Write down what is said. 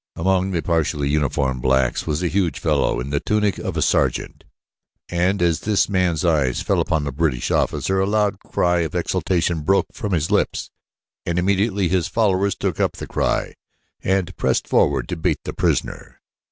Among the partially uniformed blacks was a huge fellow in the tunic of a sergeant and as this man's eyes fell upon the British officer, a loud cry of exultation broke from his lips, and immediately his followers took up the cry and pressed forward to bait the prisoner.